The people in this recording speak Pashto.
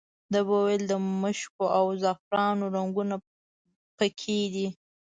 ده به ویل د مشکو او زعفرانو رنګونه په کې دي.